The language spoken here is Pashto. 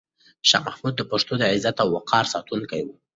شاه محمود د پښتنو د عزت او وقار ساتونکی و.